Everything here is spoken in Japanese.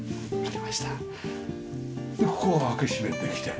でここは開け閉めできて。